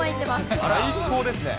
最高ですね。